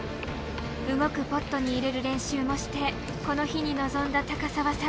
動くポットに入れる練習もしてこの日に臨んだ高澤さん。